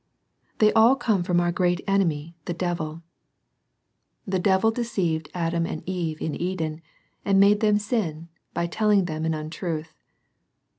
They all come from our great enemy, the devil. The devil deceived Adam and Eve in Eden,* and made them sin, by telling them an untruth.